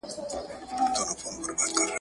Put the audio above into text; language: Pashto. زه بايد کالي وچوم.